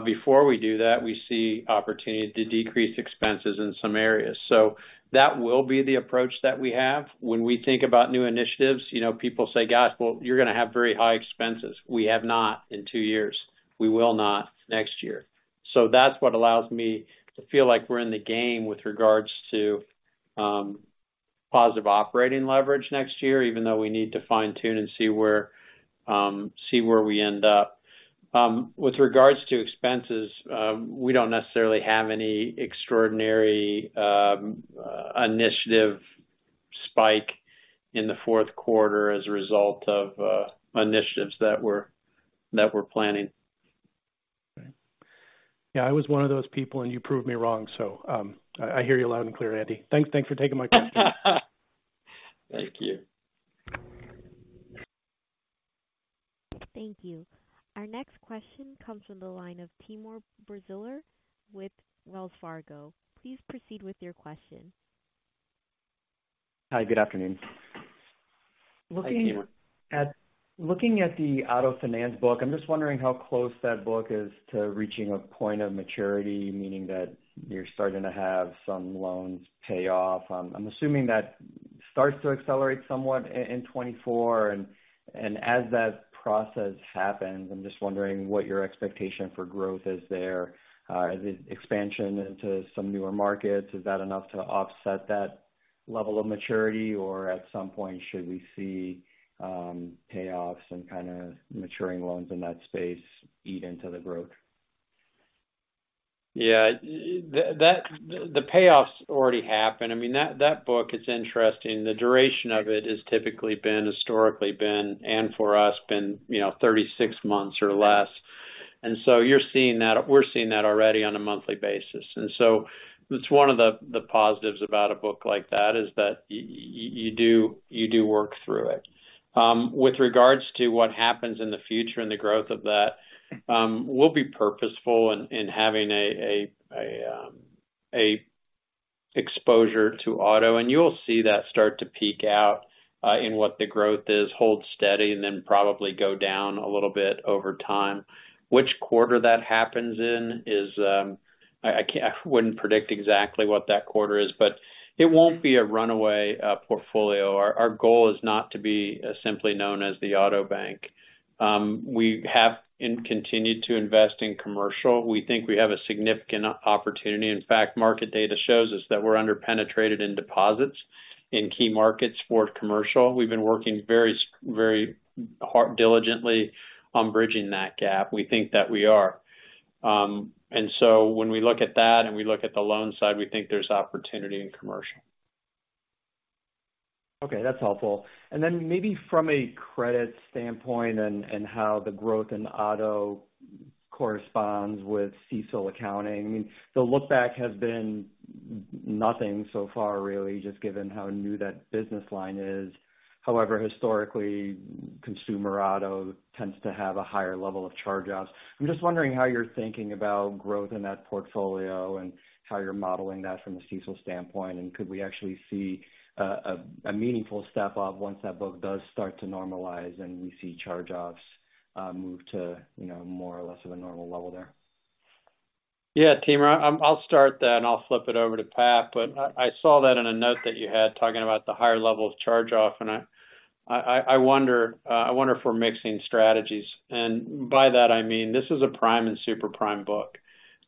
before we do that, we see opportunity to decrease expenses in some areas. So that will be the approach that we have. When we think about new initiatives, you know, people say, "Gosh, well, you're going to have very high expenses." We have not in two years. We will not next year. So that's what allows me to feel like we're in the game with regards to positive operating leverage next year, even though we need to fine-tune and see where we end up. With regards to expenses, we don't necessarily have any extraordinary initiative spike in the fourth quarter as a result of initiatives that we're planning. Okay. Yeah, I was one of those people, and you proved me wrong. So, I hear you loud and clear, Andy. Thanks. Thanks for taking my question. Thank you. Thank you. Our next question comes from the line of Timur Braziler with Wells Fargo. Please proceed with your question. Hi, good afternoon. Hi, Timur. Looking at the auto finance book, I'm just wondering how close that book is to reaching a point of maturity, meaning that you're starting to have some loans pay off. I'm assuming that starts to accelerate somewhat in 2024. And as that process happens, I'm just wondering what your expectation for growth is there. Is it expansion into some newer markets? Is that enough to offset that level of maturity? Or at some point, should we see payoffs and kind of maturing loans in that space eat into the growth? Yeah, that-- the payoffs already happened. I mean, that book, it's interesting. The duration of it has typically been, historically been, and for us, been, you know, 36 months or less. And so you're seeing that-- we're seeing that already on a monthly basis. And so that's one of the positives about a book like that, is that you do work through it. With regards to what happens in the future and the growth of that, we'll be purposeful in having a exposure to auto, and you'll see that start to peak out in what the growth is, hold steady, and then probably go down a little bit over time. Which quarter that happens in is, I wouldn't predict exactly what that quarter is, but it won't be a runaway portfolio. Our goal is not to be simply known as the auto bank. We have and continue to invest in commercial. We think we have a significant opportunity. In fact, market data shows us that we're under-penetrated in deposits in key markets for commercial. We've been working very hard, diligently on bridging that gap. We think that we are. And so when we look at that and we look at the loan side, we think there's opportunity in commercial. Okay, that's helpful. And then maybe from a credit standpoint and how the growth in auto corresponds with CECL accounting. I mean, the look back has been nothing so far, really, just given how new that business line is. However, historically, consumer auto tends to have a higher level of charge-offs. I'm just wondering how you're thinking about growth in that portfolio and how you're modeling that from a CECL standpoint, and could we actually see a meaningful step up once that book does start to normalize and we see charge-offs move to, you know, more or less of a normal level there? Yeah, Timur, I'll start that, and I'll flip it over to Pat. But I saw that in a note that you had, talking about the higher level of charge-off, and I wonder if we're mixing strategies. And by that, I mean, this is a prime and super prime book.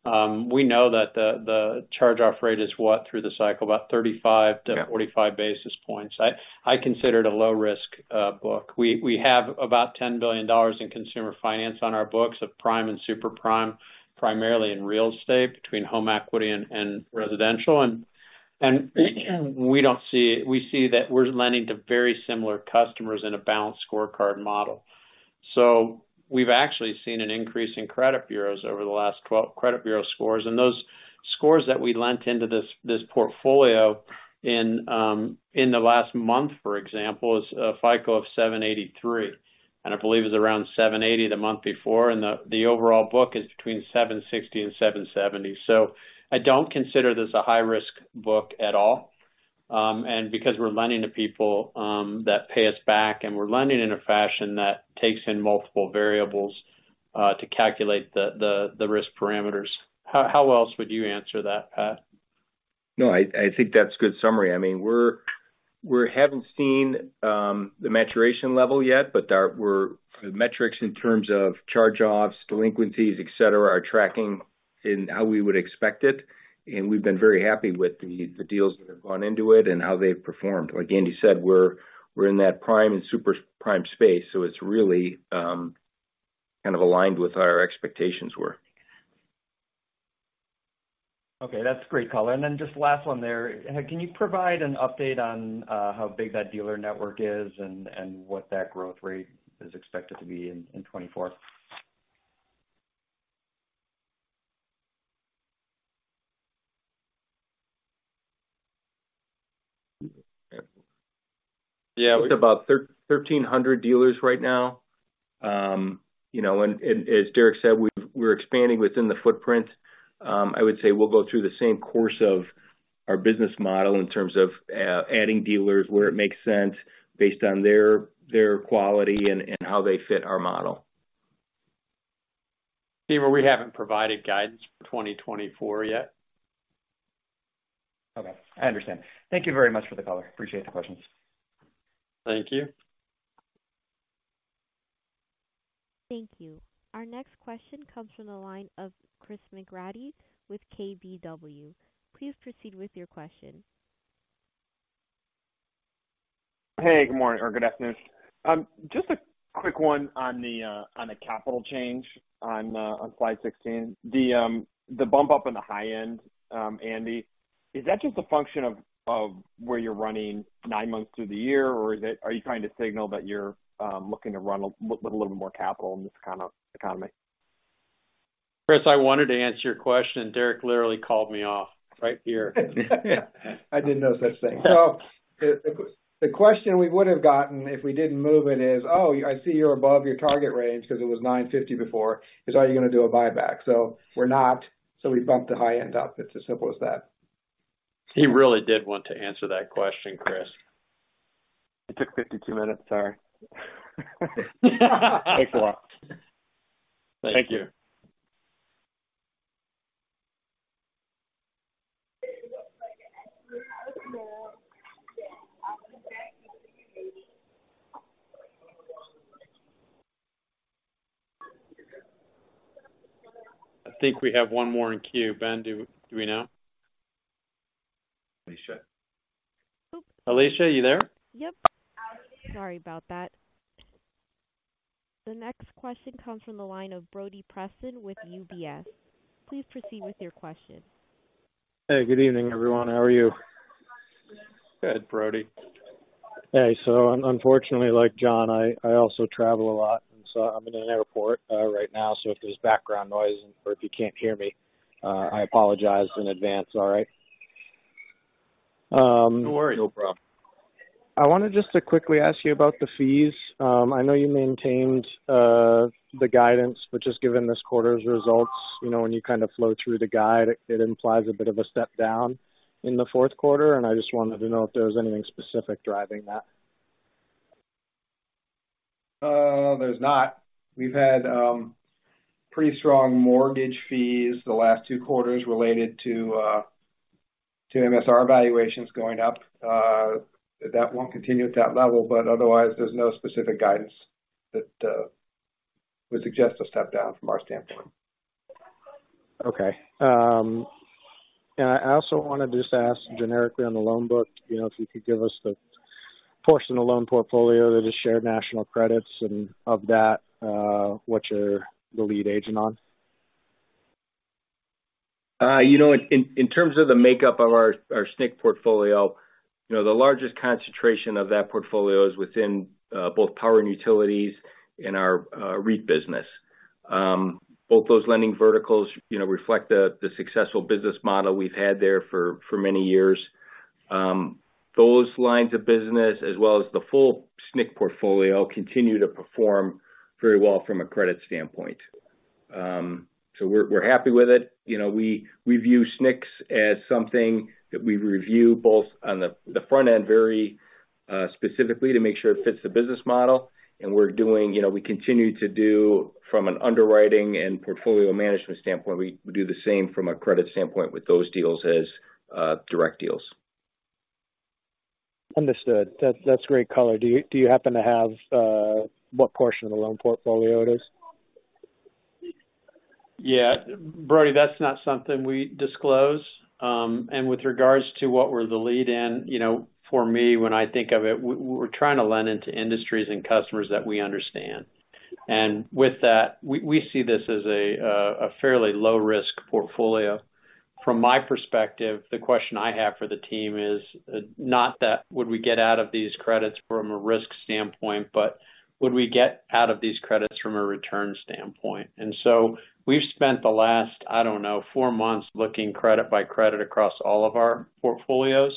We know that the charge-off rate is what, through the cycle? About 35- Yeah... to 45 basis points. I, I consider it a low risk book. We, we have about $10 billion in consumer finance on our books of prime and super prime, primarily in real estate, between home equity and, and residential. And, and we don't see-- we see that we're lending to very similar customers in a balanced scorecard model.... So we've actually seen an increase in credit bureaus over the last twelve credit bureau scores, and those scores that we lent into this, this portfolio in, in the last month, for example, is a FICO of 783, and I believe it's around 780 the month before, and the, the overall book is between 760 and 770. So I don't consider this a high-risk book at all. And because we're lending to people that pay us back, and we're lending in a fashion that takes in multiple variables to calculate the risk parameters. How else would you answer that, Pat? No, I, I think that's a good summary. I mean, we're, we haven't seen the maturation level yet, but our metrics in terms of charge-offs, delinquencies, et cetera, are tracking in how we would expect it, and we've been very happy with the, the deals that have gone into it and how they've performed. Like Andy said, we're, we're in that prime and super prime space, so it's really kind of aligned with how our expectations were. Okay, that's a great color. Then just last one there. Can you provide an update on how big that dealer network is and what that growth rate is expected to be in 2024? Yeah, we've about 1,300 dealers right now. You know, as Derek said, we're expanding within the footprint. I would say we'll go through the same course of our business model in terms of adding dealers where it makes sense based on their quality and how they fit our model. Stephen, we haven't provided guidance for 2024 yet. Okay, I understand. Thank you very much for the color. Appreciate the questions. Thank you. Thank you. Our next question comes from the line of Chris McGratty with KBW. Please proceed with your question. Hey, good morning or good afternoon. Just a quick one on the capital change on slide 16. The bump up in the high end, Andy, is that just a function of where you're running 9 months through the year? Or is it, are you trying to signal that you're looking to run with a little more capital in this kind of economy? Chris, I wanted to answer your question, and Derek literally called me off right here. I did no such thing. So the question we would have gotten if we didn't move it is: Oh, I see you're above your target range because it was 9.50 before. Are you going to do a buyback? So we're not. So we bumped the high end up. It's as simple as that. He really did want to answer that question, Chris. It took 52 minutes. Sorry. Thanks a lot. Thank you. Thank you. Our next question comes from the line of Brody Preston with UBS. Please proceed with your question. Hey, good evening, everyone. How are you? Good, Brody. Hey, so unfortunately, like Jon, I also travel a lot, and so I'm in an airport right now. So if there's background noise or if you can't hear me, I apologize in advance, all right? No worry. No problem. I wanted just to quickly ask you about the fees. I know you maintained the guidance, but just given this quarter's results, you know, when you kind of flow through the guide, it implies a bit of a step down in the fourth quarter, and I just wanted to know if there was anything specific driving that? There's not. We've had pretty strong mortgage fees the last two quarters related to MSR valuations going up. That won't continue at that level, but otherwise, there's no specific guidance that would suggest a step down from our standpoint. Okay. And I also wanted to just ask generically on the loan book, you know, if you could give us the portion of the loan portfolio that is shared national credits, and of that, what you're the lead agent on? You know, in terms of the makeup of our SNC portfolio, you know, the largest concentration of that portfolio is within both power and utilities in our REIT business. Both those lending verticals, you know, reflect the successful business model we've had there for many years. Those lines of business, as well as the full SNC portfolio, continue to perform very well from a credit standpoint. So we're happy with it. You know, we view SNCs as something that we review both on the front end very specifically to make sure it fits the business model. And we're doing... You know, we continue to do from an underwriting and portfolio management standpoint, we do the same from a credit standpoint with those deals as direct deals. Understood. That's great color. Do you happen to have what portion of the loan portfolio it is? Yeah, Brody, that's not something we disclose. And with regards to what we're the lead in, you know, for me, when I think of it, we're trying to lend into industries and customers that we understand. And with that, we, we see this as a fairly low-risk portfolio... From my perspective, the question I have for the team is not that, would we get out of these credits from a risk standpoint, but would we get out of these credits from a return standpoint? And so we've spent the last, I don't know, four months looking credit by credit across all of our portfolios,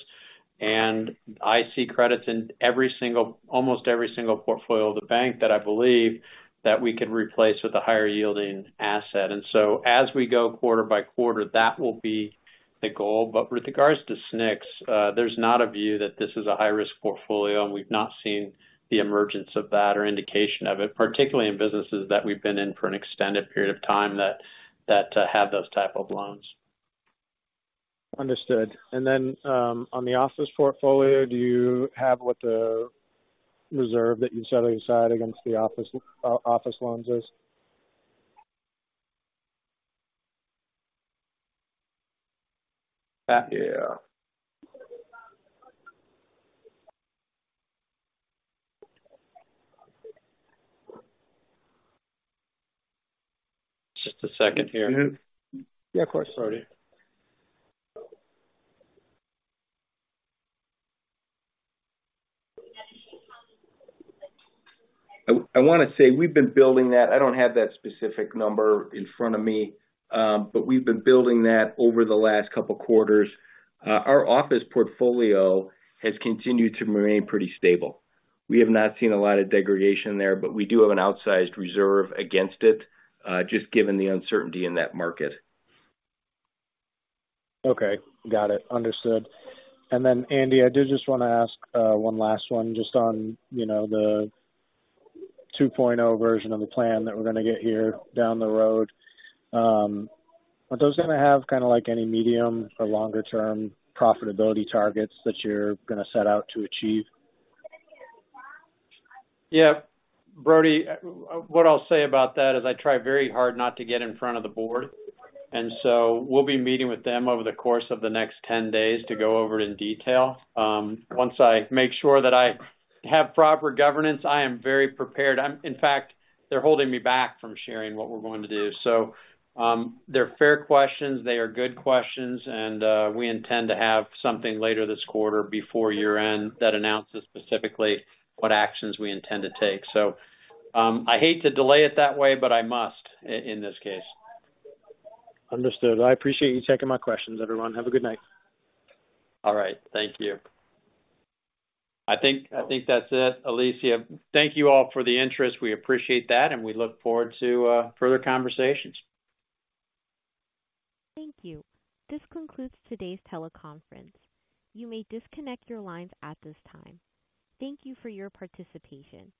and I see credits in every single, almost every single portfolio of the bank that I believe that we could replace with a higher-yielding asset. And so as we go quarter by quarter, that will be the goal. But with regards to SNCs, there's not a view that this is a high-risk portfolio, and we've not seen the emergence of that or indication of it, particularly in businesses that we've been in for an extended period of time that have those type of loans. Understood. And then, on the office portfolio, do you have what the reserve that you set aside against the office loans is? Uh- Yeah. Just a second here. Mm-hmm. Yeah, of course, Brody. I wanna say we've been building that. I don't have that specific number in front of me, but we've been building that over the last couple quarters. Our office portfolio has continued to remain pretty stable. We have not seen a lot of degradation there, but we do have an outsized reserve against it, just given the uncertainty in that market. Okay, got it. Understood. And then, Andy, I did just want to ask, one last one, just on, you know, the 2.0 version of the plan that we're gonna get here down the road. Are those gonna have kind of like any medium or longer-term profitability targets that you're gonna set out to achieve? Yeah. Brody, what I'll say about that is I try very hard not to get in front of the board, and so we'll be meeting with them over the course of the next 10 days to go over it in detail. Once I make sure that I have proper governance, I am very prepared. In fact, they're holding me back from sharing what we're going to do. So, they're fair questions, they are good questions, and we intend to have something later this quarter before year-end that announces specifically what actions we intend to take. So, I hate to delay it that way, but I must in this case. Understood. I appreciate you taking my questions, everyone. Have a good night. All right. Thank you. I think, I think that's it, Alicia. Thank you all for the interest. We appreciate that, and we look forward to further conversations. Thank you. This concludes today's teleconference. You may disconnect your lines at this time. Thank you for your participation.